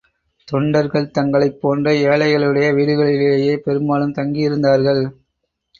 தொண்டர்கள் தங்களைப் போன்ற ஏழைகளுடைய வீடுகளிலேயே பெரும்பாலும் தங்கியிருந்தார்கள்.